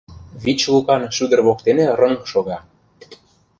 Вич лукан шӱдыр воктене рыҥ шога.